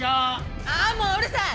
ああ、もううるさい。